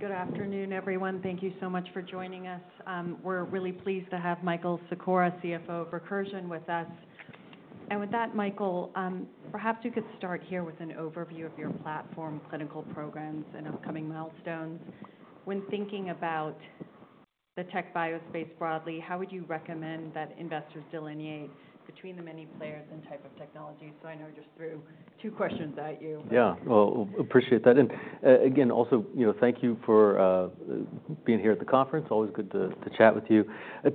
Good afternoon, everyone. Thank you so much for joining us. We're really pleased to have Michael Secora, CFO of Recursion, with us. And with that, Michael, perhaps you could start here with an overview of your platform, clinical programs, and upcoming milestones. When thinking about the TechBio space broadly, how would you recommend that investors delineate between the many players and type of technology? So I know I just threw two questions at you. Yeah, well, appreciate that, and again, also, you know, thank you for being here at the conference. Always good to chat with you.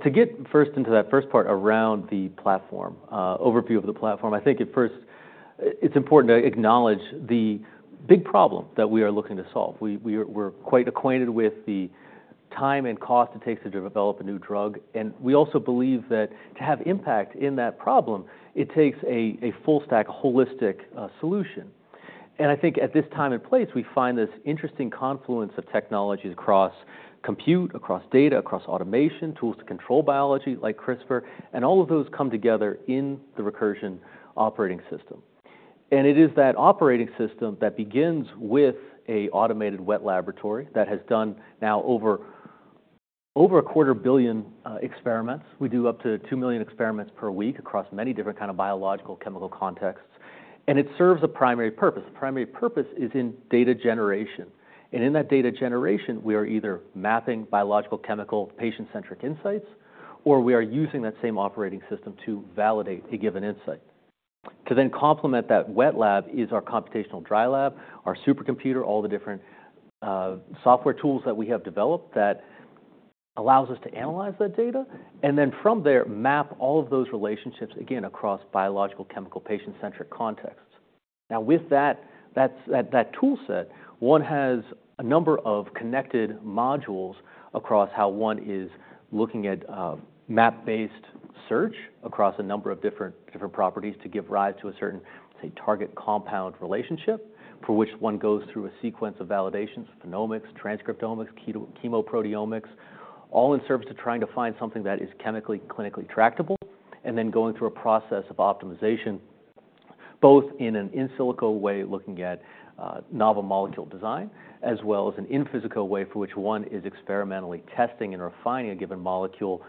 To get first into that first part around the platform, overview of the platform, I think at first, it's important to acknowledge the big problem that we are looking to solve. We're quite acquainted with the time and cost it takes to develop a new drug, and we also believe that to have impact in that problem, it takes a full stack, a holistic solution. And I think at this time and place, we find this interesting confluence of technologies across compute, across data, across automation, tools to control biology, like CRISPR, and all of those come together in the Recursion operating system. It is that operating system that begins with an automated wet laboratory that has done now over 250 million experiments. We do up to 2 million experiments per week across many different kind of biological, chemical contexts, and it serves a primary purpose. The primary purpose is in data generation, and in that data generation, we are either mapping biological, chemical, patient-centric insights, or we are using that same operating system to validate a given insight. To then complement that wet lab is our computational dry lab, our supercomputer, all the different software tools that we have developed that allows us to analyze that data, and then from there, map all of those relationships, again, across biological, chemical, patient-centric contexts. Now, with that, that's... That, that tool set, one has a number of connected modules across how one is looking at, map-based search across a number of different, different properties to give rise to a certain, say, target compound relationship, for which one goes through a sequence of validations, phenomics, transcriptomics, chemoproteomics, all in service to trying to find something that is chemically, clinically tractable, and then going through a process of optimization, both in an in silico way, looking at, novel molecule design, as well as an in physical way, for which one is experimentally testing and refining a given molecule,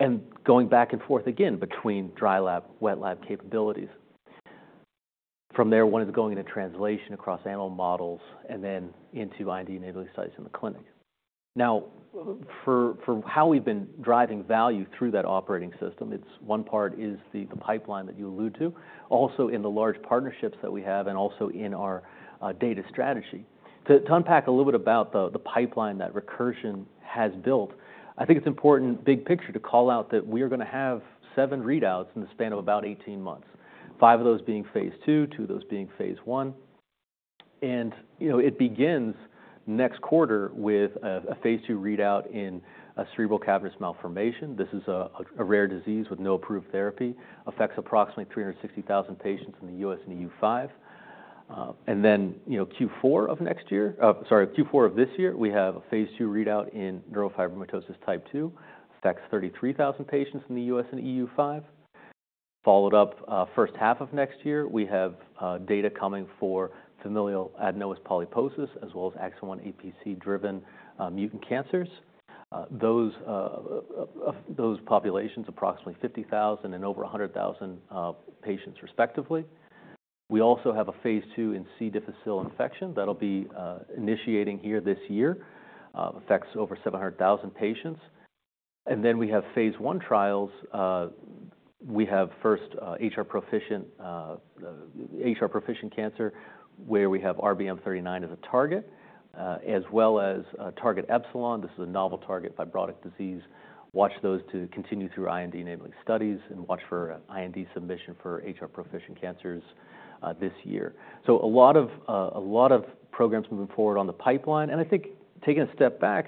and going back and forth again between dry lab, wet lab capabilities. From there, one is going into translation across animal models and then into IND-enabling studies in the clinic. Now, for how we've been driving value through that operating system, it's one part is the pipeline that you allude to, also in the large partnerships that we have and also in our data strategy. To unpack a little bit about the pipeline that Recursion has built, I think it's important, big picture, to call out that we are gonna have seven readouts in the span of about 18 months, five of those being phase II, two of those being phase I. And, you know, it begins next quarter with a phase II readout in a cerebral cavernous malformation. This is a rare disease with no approved therapy, affects approximately 360,000 patients in the U.S. and EU5. And then, you know, Q4 of next year... Sorry, Q4 of this year, we have a phase II readout in neurofibromatosis type 2, affects 33,000 patients in the U.S. and EU5. Followed up, first half of next year, we have data coming for familial adenomatous polyposis, as well as AXIN1 APC-driven mutant cancers. Those populations, approximately 50,000 and over 100,000 patients respectively. We also have a phase II in C. difficile infection. That'll be initiating here this year, affects over 700,000 patients. And then we have phase I trials. We have first HR-proficient cancer, where we have RBM39 as a target, as well as target Epsilon. This is a novel target, fibrotic disease. Watch those to continue through IND-enabling studies and watch for an IND submission for HR-proficient cancers this year. So a lot of programs moving forward on the pipeline, and I think taking a step back,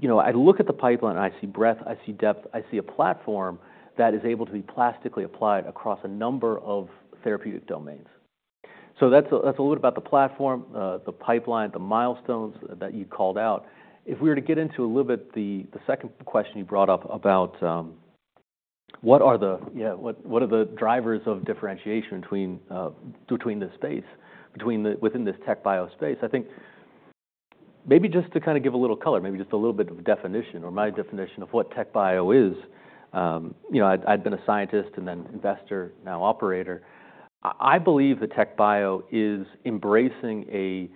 you know, I look at the pipeline, and I see breadth, I see depth, I see a platform that is able to be plastically applied across a number of therapeutic domains. So that's a little about the platform, the pipeline, the milestones that you called out. If we were to get into a little bit the second question you brought up about what are the drivers of differentiation between this space, between the within this TechBio space? I think maybe just to kind of give a little color, maybe just a little bit of definition or my definition of what TechBio is, you know, I'd been a scientist and then investor, now operator. I believe TechBio is embracing a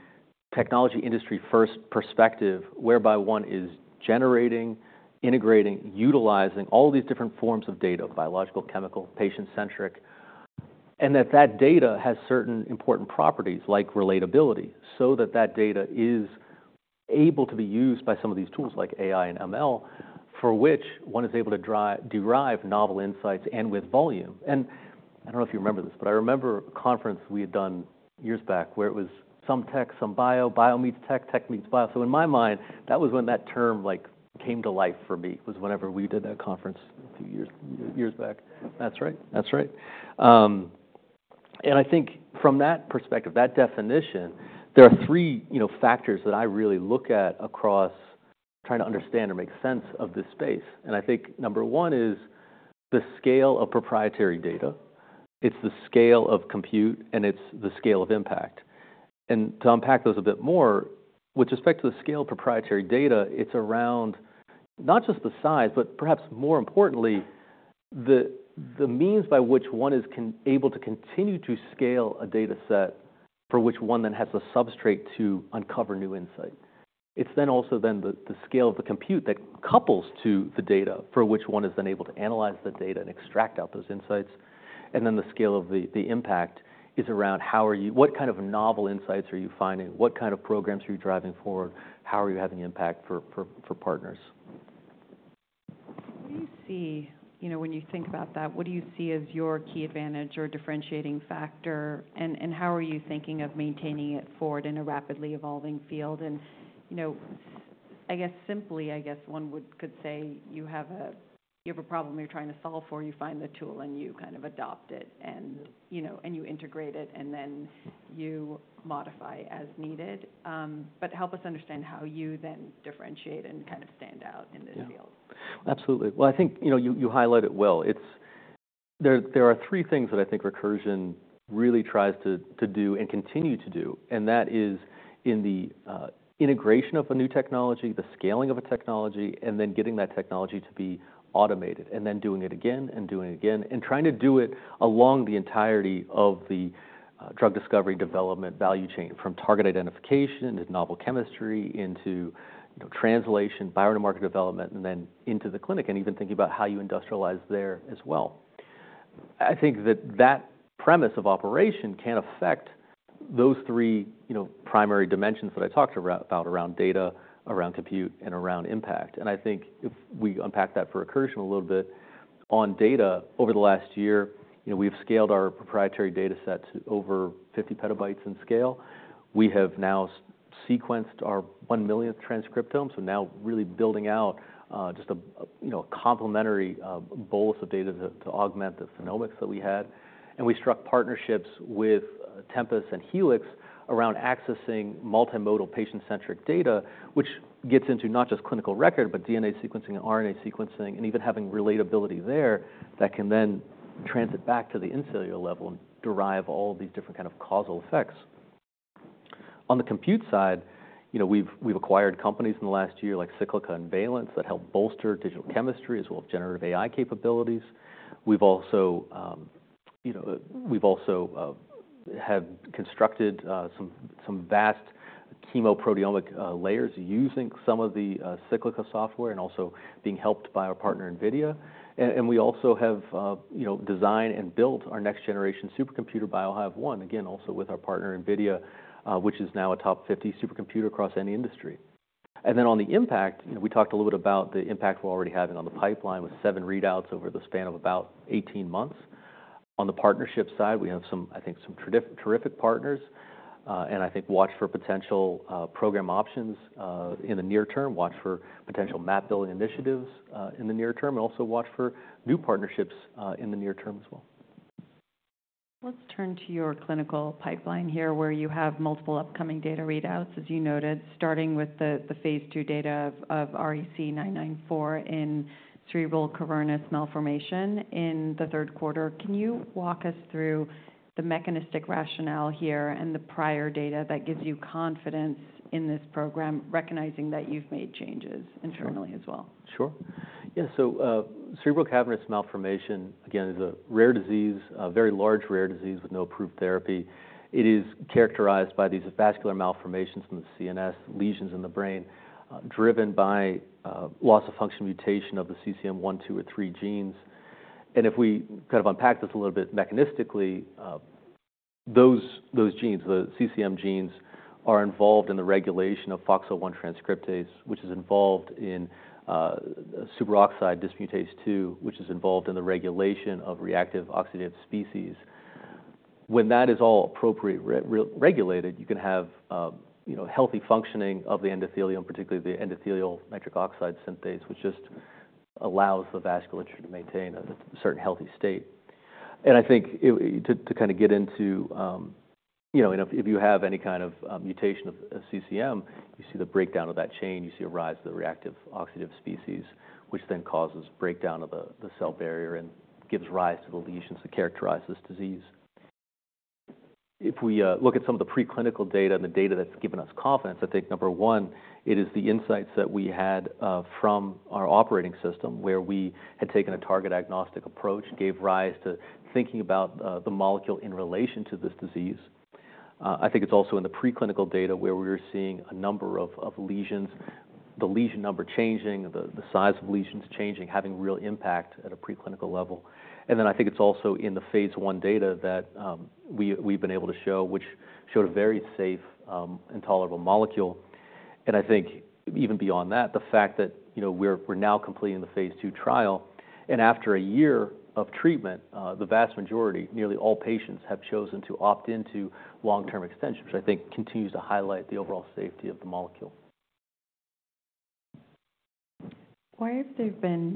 technology industry-first perspective, whereby one is generating, integrating, utilizing all these different forms of data, biological, chemical, patient-centric, and that data has certain important properties like relatability, so that data is able to be used by some of these tools, like AI and ML, for which one is able to derive novel insights and with volume. And I don't know if you remember this, but I remember a conference we had done years back, where it was some tech, some bio, bio meets tech, tech meets bio. So in my mind, that was when that term like came to life for me, was whenever we did that conference a few years back. That's right. That's right. And I think from that perspective, that definition, there are three, you know, factors that I really look at across trying to understand or make sense of this space, and I think number one is the scale of proprietary data. It's the scale of compute, and it's the scale of impact. And to unpack those a bit more, with respect to the scale of proprietary data, it's around not just the size, but perhaps more importantly, the means by which one is continually able to continue to scale a data set for which one then has the substrate to uncover new insight. It's then also the scale of the compute that couples to the data for which one is then able to analyze the data and extract out those insights. Then the scale of the impact is around how are you, what kind of novel insights are you finding? What kind of programs are you driving forward? How are you having impact for partners? What do you see, you know, when you think about that, what do you see as your key advantage or differentiating factor, and how are you thinking of maintaining it forward in a rapidly evolving field? You know, I guess simply, I guess one could say you have a, you have a problem you're trying to solve for, you find the tool, and you kind of adopt it, and, you know, and you integrate it, and then you modify as needed. But help us understand how you then differentiate and kind of stand out in this field. Yeah. Absolutely. Well, I think, you know, you highlight it well. It's... There, there are three things that I think Recursion really tries to do and continue to do, and that is in the integration of a new technology, the scaling of a technology, and then getting that technology to be automated, and then doing it again and doing it again, and trying to do it along the entirety of the drug discovery development value chain, from target identification to novel chemistry into, you know, translation, biomarker development, and then into the clinic, and even thinking about how you industrialize there as well. I think that that premise of operation can affect those three, you know, primary dimensions that I talked about around data, around compute, and around impact. I think if we unpack that for Recursion a little bit, on data, over the last year, you know, we've scaled our proprietary data set to over 50 PB in scale. We have now sequenced our 1 millionth transcriptome, so now really building out, just a, you know, complementary, bolus of data to augment the phenomics that we had. We struck partnerships with Tempus and Helix around accessing multimodal patient-centric data, which gets into not just clinical record, but DNA sequencing and RNA sequencing, and even having relatability there that can then transit back to the incellular level and derive all these different kind of causal effects. On the compute side, you know, we've acquired companies in the last year, like Cyclica and Valence, that help bolster digital chemistry as well as generative AI capabilities. We've also, you know, we've also have constructed some vast chemoproteomic layers using some of the Cyclica software and also being helped by our partner, NVIDIA. And we also have, you know, designed and built our next-generation supercomputer, BioHive-1, again, also with our partner, NVIDIA, which is now a top 50 supercomputer across any industry. And then on the impact, you know, we talked a little bit about the impact we're already having on the pipeline with seven readouts over the span of about 18 months. On the partnership side, we have some, I think, some terrific partners, and I think watch for potential program options in the near term, watch for potential map-building initiatives in the near term, and also watch for new partnerships in the near term as well. Let's turn to your clinical pipeline here, where you have multiple upcoming data readouts, as you noted, starting with the phase II data of REC-994 in cerebral cavernous malformation in the third quarter. Can you walk us through the mechanistic rationale here and the prior data that gives you confidence in this program, recognizing that you've made changes internally as well? Sure. Yeah, so cerebral cavernous malformation, again, is a rare disease, a very large rare disease with no approved therapy. It is characterized by these vascular malformations in the CNS, lesions in the brain, driven by loss of function mutation of the CCM1, CCM2, or CCM3 genes. And if we kind of unpack this a little bit mechanistically, those genes, the CCM genes, are involved in the regulation of FoxO1 transcription factor, which is involved in superoxide dismutase 2, which is involved in the regulation of reactive oxygen species. When that is all appropriately regulated, you can have, you know, healthy functioning of the endothelium, particularly the endothelial nitric oxide synthase, which just allows the vasculature to maintain a certain healthy state. And I think it... To, to kind of get into, you know, and if you have any kind of mutation of CCM, you see the breakdown of that chain, you see a rise of the reactive oxidative species, which then causes breakdown of the cell barrier and gives rise to the lesions that characterize this disease. If we look at some of the preclinical data and the data that's given us confidence, I think, number one, it is the insights that we had from our operating system, where we had taken a target-agnostic approach, gave rise to thinking about the molecule in relation to this disease. I think it's also in the preclinical data, where we were seeing a number of lesions, the lesion number changing, the size of lesions changing, having real impact at a preclinical level. And then I think it's also in the phase I data that we’ve been able to show, which showed a very safe and tolerable molecule. And I think even beyond that, the fact that, you know, we’re now completing the phase II trial, and after a year of treatment, the vast majority, nearly all patients, have chosen to opt into long-term extension, which I think continues to highlight the overall safety of the molecule. Why have there been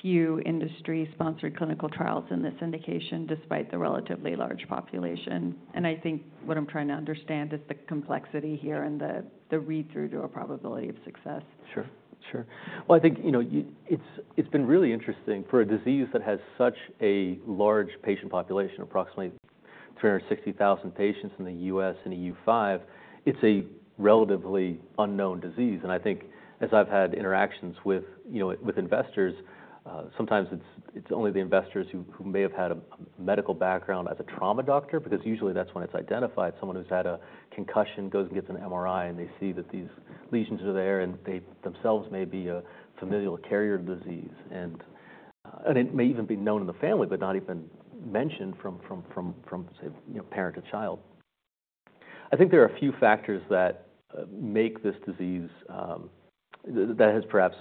few industry-sponsored clinical trials in this indication, despite the relatively large population? I think what I'm trying to understand is the complexity here and the read-through to a probability of success. Sure. Sure. Well, I think, you know, It's been really interesting. For a disease that has such a large patient population, approximately 360,000 patients in the U.S. and EU5, it's a relatively unknown disease. And I think as I've had interactions with, you know, with investors, sometimes it's only the investors who may have had a medical background as a trauma doctor, because usually that's when it's identified. Someone who's had a concussion goes and gets an MRI, and they see that these lesions are there, and they themselves may be a familial carrier of disease. And it may even be known in the family, but not even mentioned from, say, you know, parent to child. I think there are a few factors that make this disease that has perhaps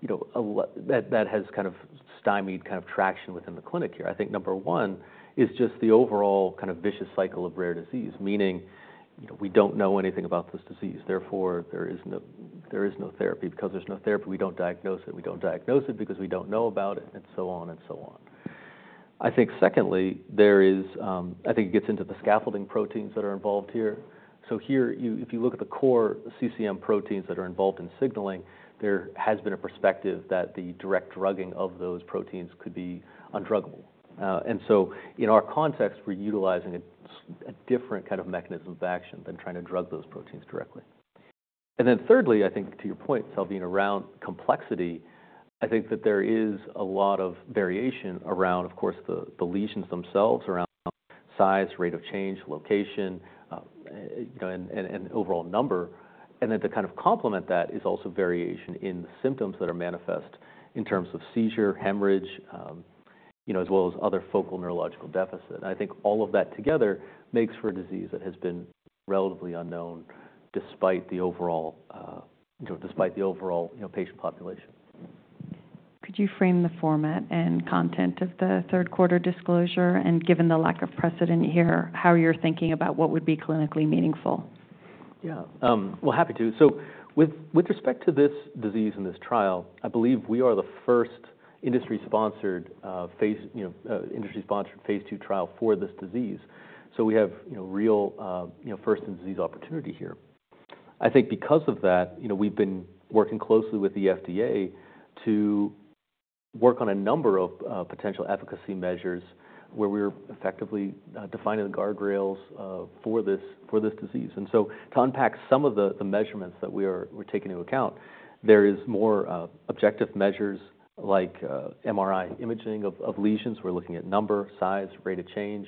you know that that has kind of stymied kind of traction within the clinic here. I think number one is just the overall kind of vicious cycle of rare disease, meaning, you know, we don't know anything about this disease, therefore, there is no, there is no therapy. Because there's no therapy, we don't diagnose it. We don't diagnose it because we don't know about it, and so on and so on. I think secondly, there is I think it gets into the scaffolding proteins that are involved here. So here, if you look at the core CCM proteins that are involved in signaling, there has been a perspective that the direct drugging of those proteins could be undruggable. In our context, we're utilizing a different kind of mechanism of action than trying to drug those proteins directly. And then thirdly, I think to your point, Salvina, around complexity, I think that there is a lot of variation around, of course, the lesions themselves, around size, rate of change, location, you know, and overall number. And then to kind of complement that is also variation in the symptoms that are manifest in terms of seizure, hemorrhage, you know, as well as other focal neurological deficit. I think all of that together makes for a disease that has been relatively unknown, despite the overall patient population. Could you frame the format and content of the third quarter disclosure, and given the lack of precedent here, how you're thinking about what would be clinically meaningful? Yeah. Well, happy to. So with respect to this disease and this trial, I believe we are the first industry-sponsored phase, you know, industry-sponsored phase II trial for this disease. So we have, you know, real, you know, first in disease opportunity here. I think because of that, you know, we've been working closely with the FDA to work on a number of potential efficacy measures, where we're effectively defining the guardrails for this disease. And so to unpack some of the measurements that we take into account, there is more objective measures like MRI imaging of lesions. We're looking at number, size, rate of change.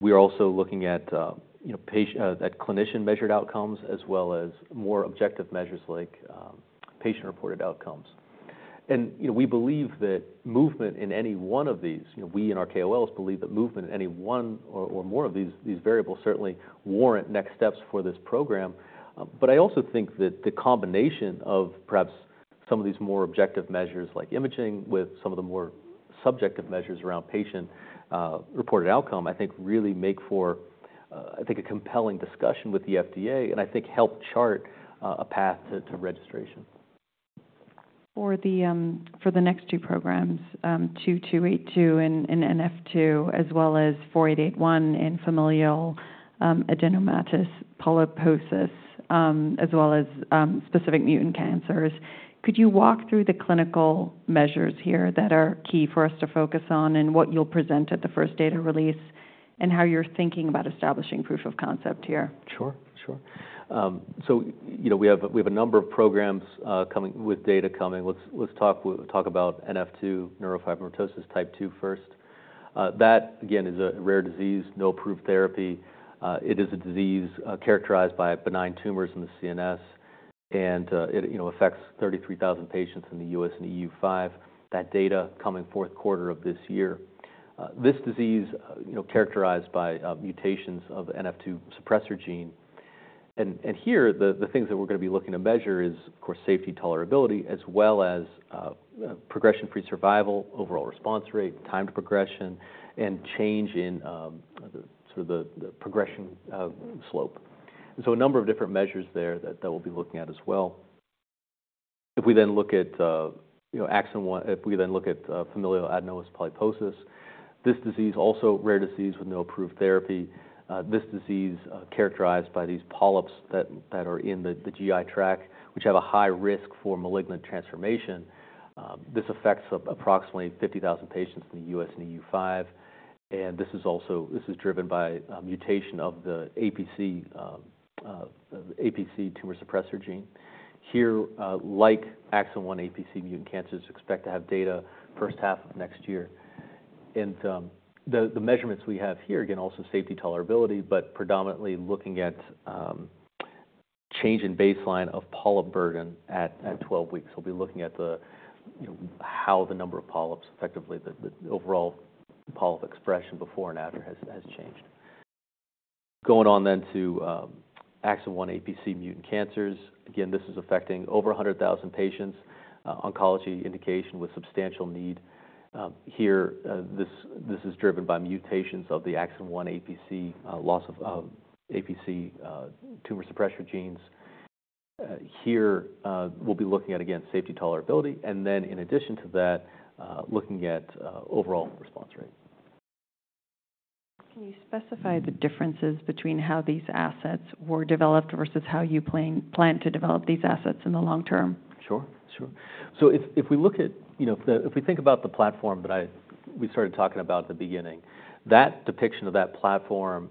We are also looking at, you know, patient- and clinician-measured outcomes, as well as more objective measures like patient-reported outcomes. And, you know, we believe that movement in any one of these, you know, we and our KOLs believe that movement in any one or more of these variables certainly warrant next steps for this program. But I also think that the combination of perhaps some of these more objective measures, like imaging, with some of the more subjective measures around patient reported outcome, I think really make for, I think, a compelling discussion with the FDA, and I think help chart a path to registration. For the next two programs, 2282 and NF2, as well as 4881 in familial adenomatous polyposis, as well as specific mutant cancers, could you walk through the clinical measures here that are key for us to focus on and what you'll present at the first data release, and how you're thinking about establishing proof of concept here? Sure, sure. So you know, we have a number of programs coming with data coming. Let's talk about NF2, neurofibromatosis type 2 first. That, again, is a rare disease, no approved therapy. It is a disease characterized by benign tumors in the CNS, and it you know, affects 33,000 patients in the U.S. and EU5. That data coming fourth quarter of this year. This disease, you know, characterized by mutations of the NF2 suppressor gene. And here, the things that we're gonna be looking to measure is, of course, safety, tolerability, as well as progression-free survival, overall response rate, time to progression, and change in the sort of the progression slope. And so a number of different measures there that we'll be looking at as well. If we then look at, you know, AXIN1. If we then look at familial adenomatous polyposis, this disease also a rare disease with no approved therapy. This disease characterized by these polyps that are in the GI tract, which have a high risk for malignant transformation. This affects approximately 50,000 patients in the U.S. and EU5, and this is driven by a mutation of the APC APC tumor suppressor gene. Here, like AXIN1 APC mutant cancers, expect to have data first half of next year. And the measurements we have here, again, also safety tolerability, but predominantly looking at change in baseline of polyp burden at 12 weeks. We'll be looking at the, you know, how the number of polyps, effectively the overall polyp expression before and after has changed. Going on then to exon 1 APC mutant cancers. Again, this is affecting over 100,000 patients, oncology indication with substantial need. Here, this is driven by mutations of the exon 1 APC, loss of APC, tumor suppressor genes. Here, we'll be looking at, again, safety tolerability, and then in addition to that, looking at overall response rate.... Can you specify the differences between how these assets were developed versus how you plan to develop these assets in the long term? Sure, sure. So if we look at, you know, if we think about the platform that we started talking about at the beginning, that depiction of that platform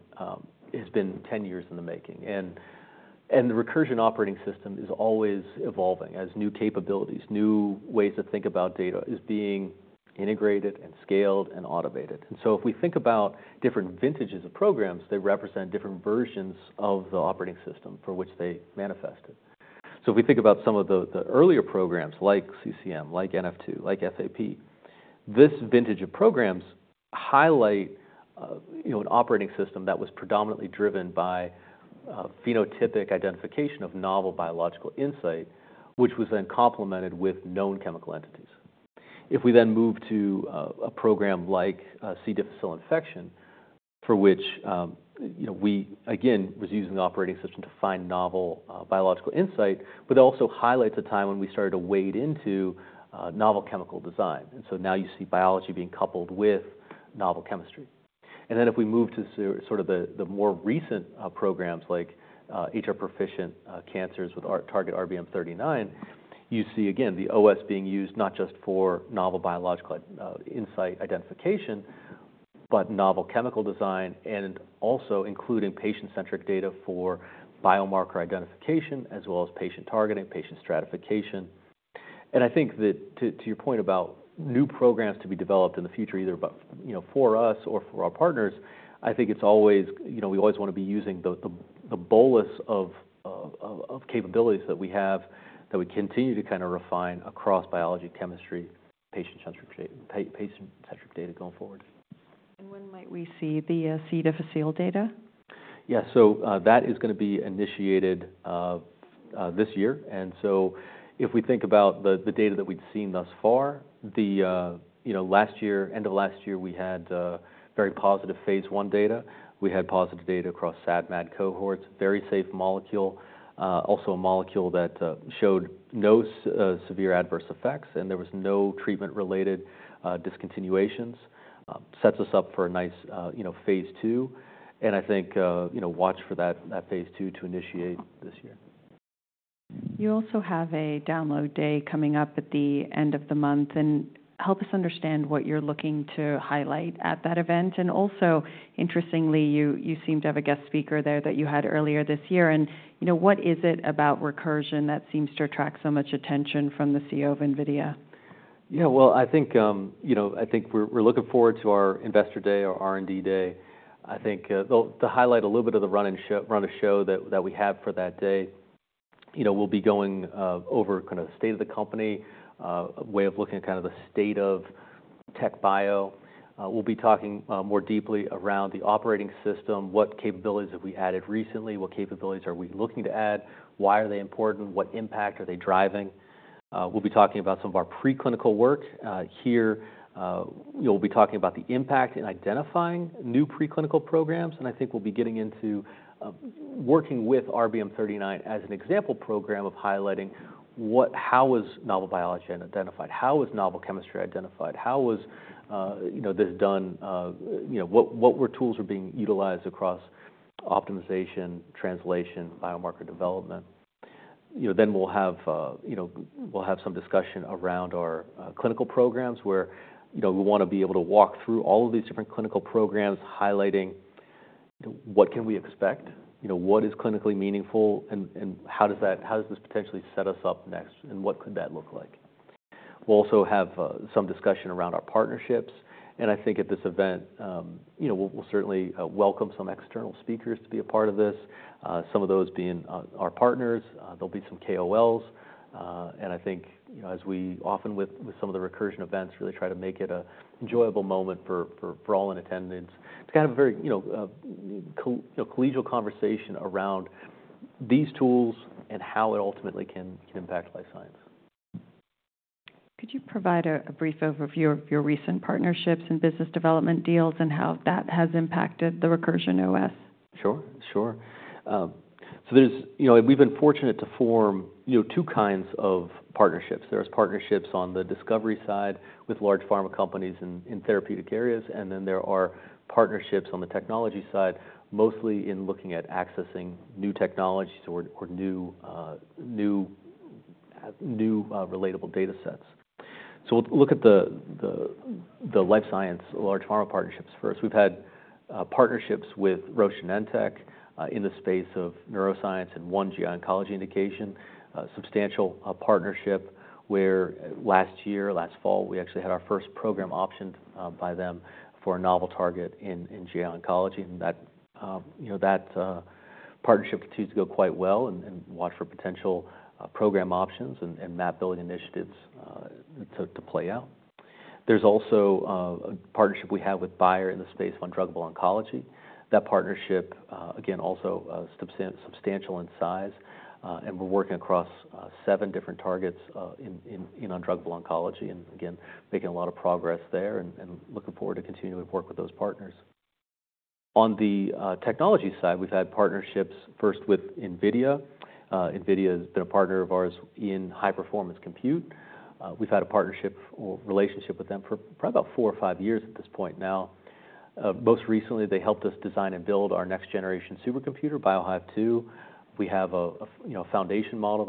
has been 10 years in the making, and the Recursion operating system is always evolving. As new capabilities, new ways to think about data is being integrated and scaled and automated. And so if we think about different vintages of programs, they represent different versions of the operating system for which they manifested. So if we think about some of the earlier programs, like CCM, like NF2, like FAP, this vintage of programs highlight, you know, an operating system that was predominantly driven by phenotypic identification of novel biological insight, which was then complemented with known chemical entities. If we then move to a program like C. difficile infection, for which, you know, we again was using the operating system to find novel biological insight, but also highlights a time when we started to wade into novel chemical design. And so now you see biology being coupled with novel chemistry. And then if we move to sort of the more recent programs like HR-proficient cancers with our target RBM39, you see again, the OS being used not just for novel biological insight identification, but novel chemical design, and also including patient-centric data for biomarker identification, as well as patient targeting, patient stratification. I think that, to your point about new programs to be developed in the future, either but, you know, for us or for our partners, I think it's always, you know, we always want to be using the bolus of capabilities that we have, that we continue to kind of refine across biology, chemistry, patient-centric data going forward. When might we see the C. difficile data? Yeah. So, that is going to be initiated this year. And so if we think about the data that we've seen thus far, you know, last year, end of last year, we had very positive phase I data. We had positive data across SAD/MAD cohorts, very safe molecule, also a molecule that showed no severe adverse effects, and there was no treatment-related discontinuations. Sets us up for a nice, you know, phase II, and I think, you know, watch for that phase II to initiate this year. You also have a download day coming up at the end of the month, and help us understand what you're looking to highlight at that event. Interestingly, you seem to have a guest speaker there that you had earlier this year, and, you know, what is it about Recursion that seems to attract so much attention from the CEO of NVIDIA? Yeah, well, I think, you know, I think we're looking forward to our Investor Day, our R&D Day. I think, to highlight a little bit of the run of show that we have for that day, you know, we'll be going over kind of state of the company, way of looking at kind of the state of tech bio. We'll be talking more deeply around the operating system, what capabilities have we added recently? What capabilities are we looking to add? Why are they important? What impact are they driving? We'll be talking about some of our preclinical work. Here, we'll be talking about the impact in identifying new preclinical programs, and I think we'll be getting into working with RBM39 as an example program of highlighting what—how was novel biology identified, how was novel chemistry identified? How was, you know, this done? You know, what tools were being utilized across optimization, translation, biomarker development? You know, then we'll have some discussion around our clinical programs, where, you know, we want to be able to walk through all of these different clinical programs, highlighting what can we expect, you know, what is clinically meaningful, and, and how does that—how does this potentially set us up next, and what could that look like? We'll also have some discussion around our partnerships, and I think at this event, you know, we'll certainly welcome some external speakers to be a part of this, some of those being our partners. There'll be some KOLs, and I think, you know, as we often with some of the Recursion events, really try to make it an enjoyable moment for all in attendance. It's kind of a very, you know, collegial conversation around these tools and how it ultimately can impact life science. Could you provide a brief overview of your recent partnerships and business development deals and how that has impacted the Recursion OS? Sure, sure. So there's... You know, we've been fortunate to form, you know, two kinds of partnerships. There's partnerships on the discovery side with large pharma companies in, in therapeutic areas, and then there are partnerships on the technology side, mostly in looking at accessing new technologies or new relatable datasets. So we'll look at the life science large pharma partnerships first. We've had partnerships with Roche-Genentech in the space of neuroscience and one GI oncology indication, substantial partnership, where last year, last fall, we actually had our first program optioned by them for a novel target in GI oncology. And that partnership continues to go quite well and watch for potential program options and map-building initiatives to play out. There's also a partnership we have with Bayer in the space of undruggable oncology. That partnership, again, also, substantial in size, and we're working across seven different targets in undruggable oncology, and again, making a lot of progress there and looking forward to continuing to work with those partners. On the technology side, we've had partnerships first with NVIDIA. NVIDIA has been a partner of ours in high-performance compute. We've had a partnership or relationship with them for probably about four or five years at this point now. Most recently, they helped us design and build our next-generation supercomputer, BioHive-2. We have you know, a foundation model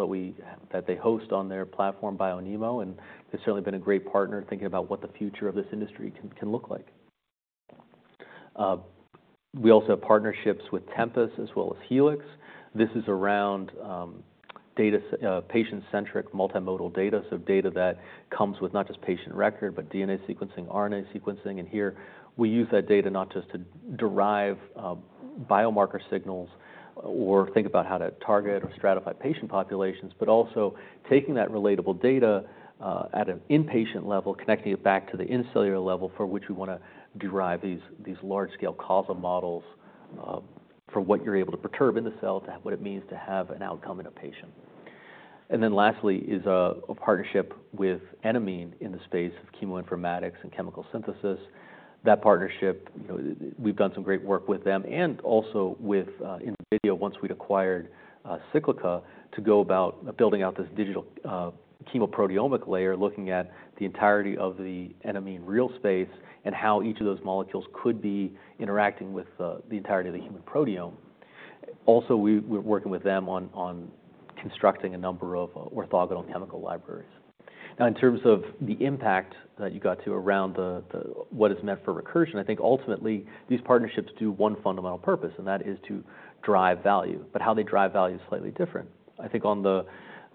that they host on their platform, BioNeMo, and it's certainly been a great partner in thinking about what the future of this industry can look like. We also have partnerships with Tempus as well as Helix. This is around data patient-centric multimodal data, so data that comes with not just patient record, but DNA sequencing, RNA sequencing, and here we use that data not just to derive biomarker signals or think about how to target or stratify patient populations, but also taking that relatable data at an inpatient level, connecting it back to the incellular level for which we wanna derive these large-scale causal models for what you're able to perturb in the cell to what it means to have an outcome in a patient. And then lastly is a partnership with Enamine in the space of cheminformatics and chemical synthesis. That partnership, you know, we've done some great work with them and also with NVIDIA, once we'd acquired Cyclica, to go about building out this digital chemoproteomic layer, looking at the entirety of the Enamine real space and how each of those molecules could be interacting with the entirety of the human proteome. Also, we're working with them on constructing a number of orthogonal chemical libraries. Now, in terms of the impact that you got to around the what it's meant for Recursion, I think ultimately, these partnerships do one fundamental purpose, and that is to drive value, but how they drive value is slightly different. I think on the,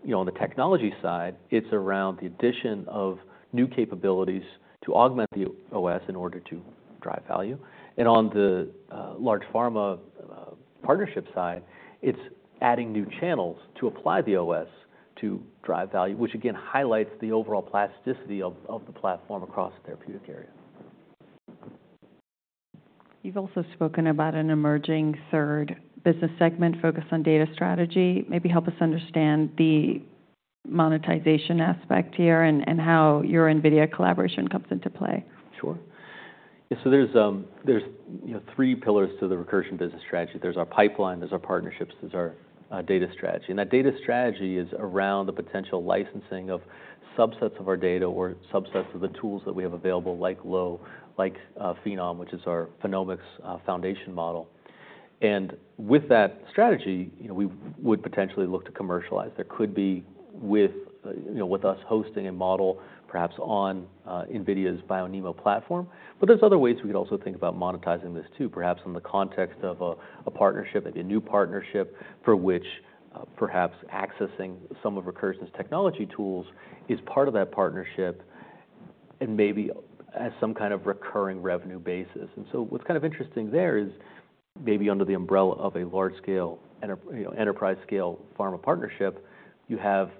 you know, on the technology side, it's around the addition of new capabilities to augment the OS in order to drive value. And on the large pharma partnership side, it's adding new channels to apply the OS to drive value, which again, highlights the overall plasticity of the platform across therapeutic area. You've also spoken about an emerging third business segment focused on data strategy. Maybe help us understand the monetization aspect here and how your NVIDIA collaboration comes into play? Sure. So there's, you know, three pillars to the Recursion business strategy. There's our pipeline, there's our partnerships, there's our data strategy. And that data strategy is around the potential licensing of subsets of our data or subsets of the tools that we have available, like LOWE, like Phenom, which is our phenomics foundation model. And with that strategy, you know, we would potentially look to commercialize. There could be with, you know, with us hosting a model, perhaps on NVIDIA's BioNeMo platform. But there's other ways we could also think about monetizing this, too. Perhaps in the context of a partnership, maybe a new partnership, for which perhaps accessing some of Recursion's technology tools is part of that partnership and maybe as some kind of recurring revenue basis. And so what's kind of interesting there is maybe under the umbrella of a large-scale enterprise-scale pharma partnership, you have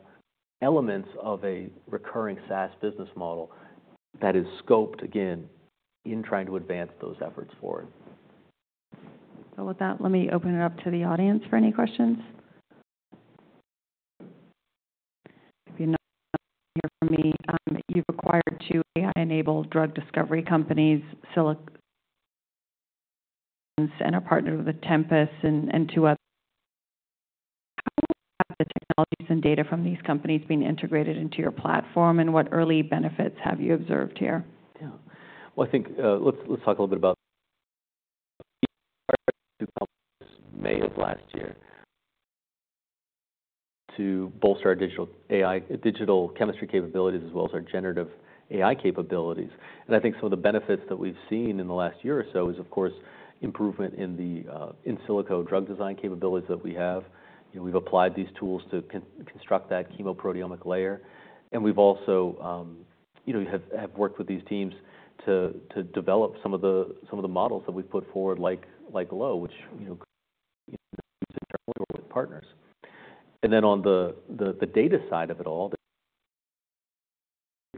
elements of a recurring SaaS business model that is scoped, again, in trying to advance those efforts forward. So with that, let me open it up to the audience for any questions. If you're not here for me, you've acquired two AI-enabled drug discovery companies, Cyclica, and are partnered with Tempus and two other... How have the technologies and data from these companies been integrated into your platform, and what early benefits have you observed here? Yeah. Well, I think, let's talk a little bit about... May of last year to bolster our digital AI, digital chemistry capabilities, as well as our generative AI capabilities. And I think some of the benefits that we've seen in the last year or so is, of course, improvement in the in silico drug design capabilities that we have. You know, we've applied these tools to construct that chemoproteomic layer, and we've also, you know, have worked with these teams to develop some of the models that we've put forward, like Lowe, which, you know, partners. And then on the data side of it all,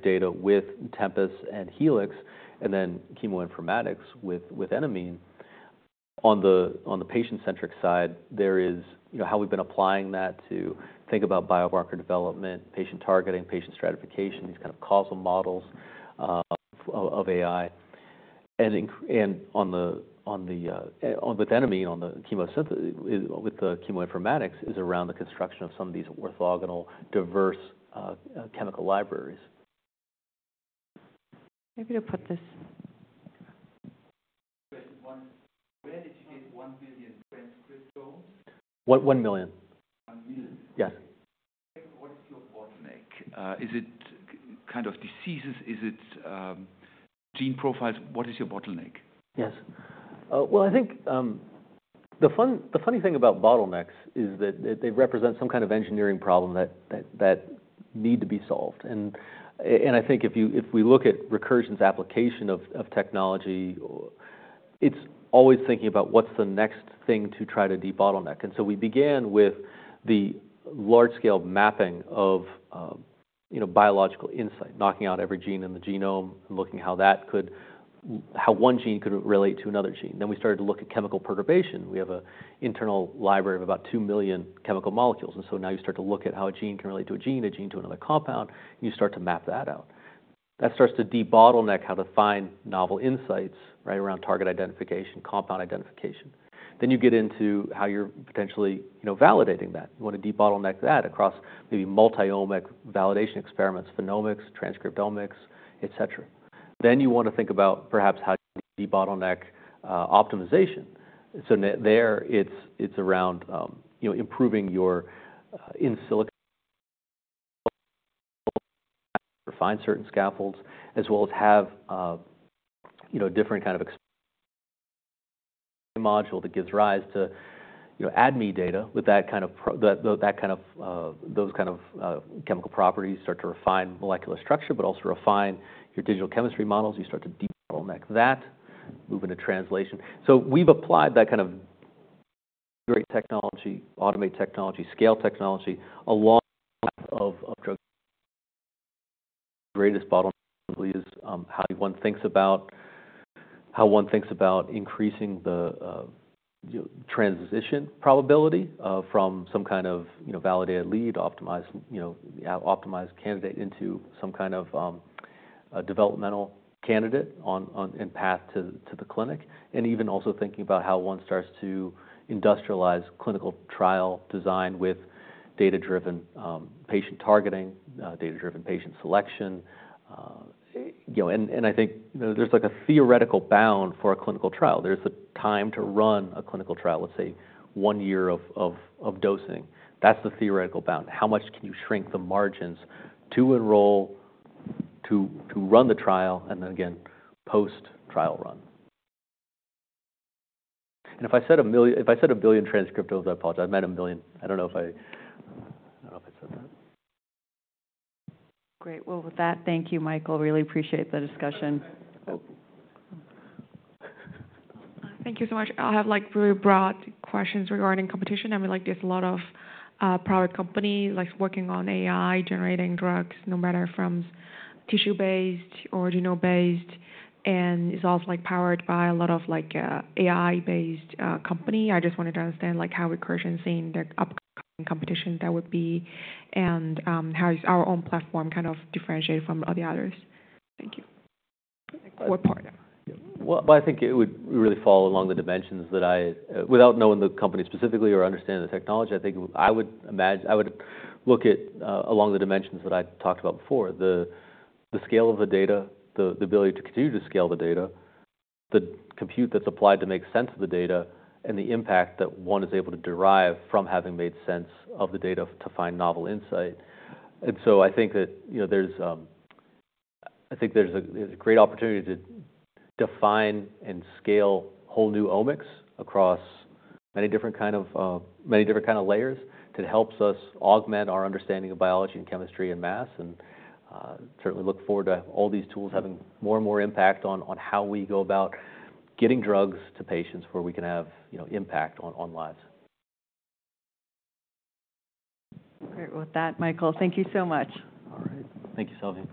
data with Tempus and Helix, and then cheminformatics with Enamine. On the patient-centric side, there is, you know, how we've been applying that to think about biomarker development, patient targeting, patient stratification, these kind of causal models of AI. And on the with Enamine, with the cheminformatics, is around the construction of some of these orthogonal, diverse chemical libraries. Maybe you'll put this $1 million. Yes. What is your bottleneck? Is it kind of diseases? Is it, gene profiles? What is your bottleneck? Yes. Well, I think the funny thing about bottlenecks is that they represent some kind of engineering problem that need to be solved. And I think if we look at Recursion's application of technology, it's always thinking about what's the next thing to try to debottleneck. And so we began with the large-scale mapping of, you know, biological insight, knocking out every gene in the genome and looking how that could how one gene could relate to another gene. Then we started to look at chemical perturbation. We have a internal library of about 2 million chemical molecules, and so now you start to look at how a gene can relate to a gene, a gene to another compound, and you start to map that out. That starts to debottleneck how to find novel insights, right, around target identification, compound identification. Then you get into how you're potentially, you know, validating that. You want to debottleneck that across the multi-omic validation experiments, phenomics, transcriptomics, et cetera. Then you want to think about perhaps how to debottleneck optimization. So there, it's around, you know, improving your in silico to find certain scaffolds, as well as have, you know, different kind of module that gives rise to, you know, ADME data with that kind of those kind of chemical properties start to refine molecular structure, but also refine your digital chemistry models. You start to debottleneck that, move into translation. So we've applied that kind of great technology, automate technology, scale technology, along of, of drug. Greatest bottleneck simply is, how one thinks about, how one thinks about increasing the, transition probability, from some kind of, you know, validated lead, optimized, you know, optimized candidate into some kind of, a developmental candidate on, on, in path to, to the clinic, and even also thinking about how one starts to industrialize clinical trial design with data-driven, patient targeting, data-driven patient selection. You know, and, and I think, you know, there's, like, a theoretical bound for a clinical trial. There's a time to run a clinical trial, let's say, one year of, of, of dosing. That's the theoretical bound. How much can you shrink the margins to enroll, to, to run the trial, and then again, post-trial run? And if I said a million- if I said a billion transcriptomes, I apologize. I meant a million. I don't know if I... I don't know if I said that. Great. Well, with that, thank you, Michael. Really appreciate the discussion. Thank you so much. I have, like, really broad questions regarding competition. I mean, like, there's a lot of private company, like, working on AI, generating drugs, no matter from tissue-based or genome-based, and it's also, like, powered by a lot of, like, AI-based company. I just wanted to understand, like, how Recursion seeing the upcoming competition that would be and, how is our own platform kind of differentiated from all the others? Thank you. What part? Well, I think it would really follow along the dimensions that I... Without knowing the company specifically or understanding the technology, I think I would imagine- I would look at along the dimensions that I talked about before, the scale of the data, the ability to continue to scale the data, the compute that's applied to make sense of the data, and the impact that one is able to derive from having made sense of the data to find novel insight. And so I think that, you know, there's, I think there's a, there's a great opportunity to define and scale whole new omics across many different kind of, many different kind of layers that helps us augment our understanding of biology and chemistry and math, and, certainly look forward to all these tools having more and more impact on, on how we go about getting drugs to patients where we can have, you know, impact on, on lives. Great. With that, Michael, thank you so much. All right. Thank you, Sylvia.